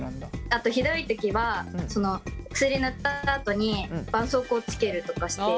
あとひどい時は薬塗ったあとにばんそうこうをつけるとかして。